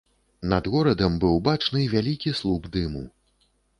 Над горадам быў бачны вялікі слуп дыму.